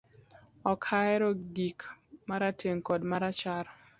Ok ahero gik marateng kod marachar